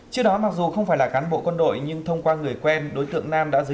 trước đó mặc dù không phải là cán bộ quân đội nhưng thông qua người quen